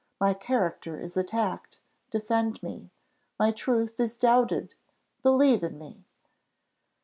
my character is attacked, defend me! my truth is doubted, believe in me!